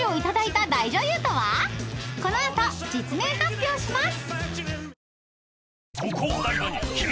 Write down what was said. ［この後実名発表します］